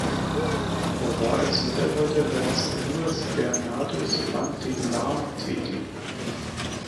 Er war als Mitarbeiter seines Bruders Bernardus van de Laar tätig.